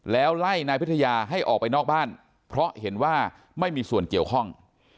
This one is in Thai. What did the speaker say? แล้วไล่นายพิทยาให้ออกไปนอกบ้านเพราะเห็นว่าไม่มีส่วนเกี่ยวข้อง